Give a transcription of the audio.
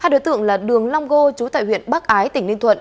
hai đối tượng là đường long gô chú tại huyện bắc ái tỉnh ninh thuận